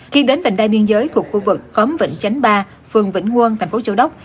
khi đến vệnh đai biên giới thuộc khu vực khóm vĩnh chánh ba phường vĩnh nguyên tp châu đốc